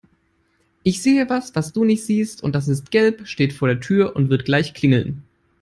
Ich sehe was, was du nicht siehst und das ist gelb, steht vor der Tür und wird gleich klingeln.